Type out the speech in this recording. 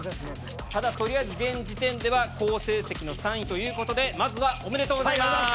ただ取りあえず現時点では好成績の３位ということでまずはおめでとうございます。